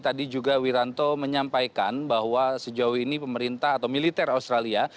tadi juga wiranto menyampaikan bahwa sejauh ini pemerintah atau militer australia